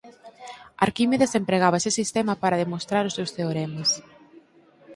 Arquímedes empregaba ese sistema para demostrar os seus teoremas.